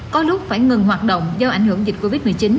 có lúc phải ngừng hoạt động do ảnh hưởng dịch covid một mươi chín